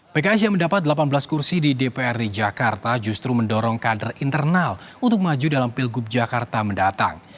pks yang mendapat delapan belas kursi di dprd jakarta justru mendorong kader internal untuk maju dalam pilgub jakarta mendatang